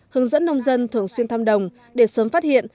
hướng dẫn nông dân thường xuyên thăm đồng để sớm phát hiện